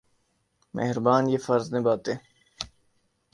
مہربان یہ فرض نبھاتے۔